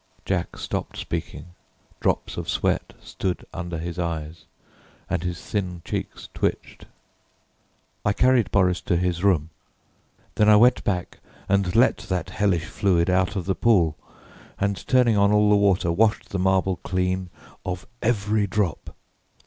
Jack stopped speaking, drops of sweat stood under his eyes, and his thin cheeks twitched. "I carried Boris to his room. Then I went back and let that hellish fluid out of the pool, and turning on all the water, washed the marble clean of every drop.